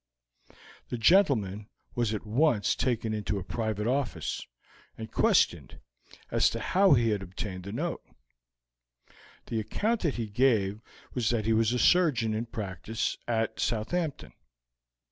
The gentleman was at once taken into a private office, and questioned as to how he had obtained the note. The account that he gave was that he was a surgeon in practice at Southampton.